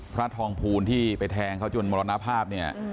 พระทองภูณที่ไปแทงเขาจนมรรณภาพ